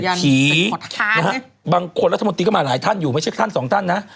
ผีบางคนรัฐมนตรีก็มาหลายท่านอยู่ไม่ใช่ท่านสองท่านนะ